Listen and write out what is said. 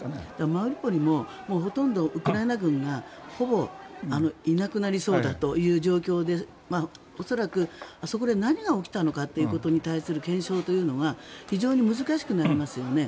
マリウポリもほとんどウクライナ軍がほぼいなくなりそうだという状況で恐らくあそこで何が起きたのかということに対する検証というのが非常に難しくなりますよね。